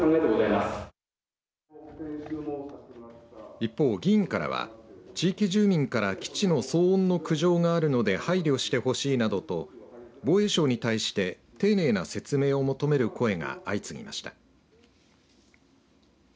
一方、議員からは地域住民から基地の騒音の苦情があるので配慮してほしいなどと防衛省に対して丁寧な説明を求める声が相次ぎました。